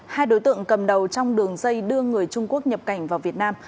hai đối tượng cầm đầu trong đường dây đưa người trung quốc nhập cảnh vào việt nam